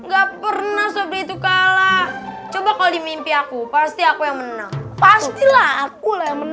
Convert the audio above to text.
gila ini udah malem